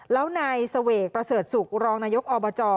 แล้วในสเวกประเสริฐศุกรรนอบจ